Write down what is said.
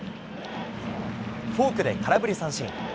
フォークで空振り三振。